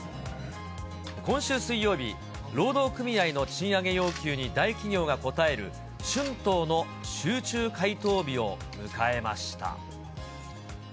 今週水曜日、労働組合の賃上げ要求に大企業が答える、春闘の集中回答日を迎えました。